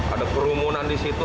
ada kerumunan di situ